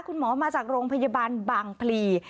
คุณหมอมาจากโรงพยาบาลบางพลี